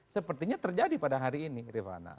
sepertinya terjadi pada hari ini rifana